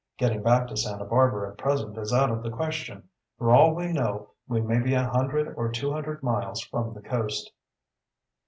"Getting back to Santa Barbara at present is out of the question. For all we know, we may be a hundred or two hundred miles from the coast."